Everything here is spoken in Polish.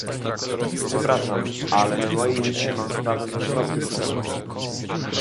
Przepraszam, ale na mojej liście mam sprawy w odwrotnym porządku